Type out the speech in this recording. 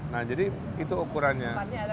nah jadi itu ukurannya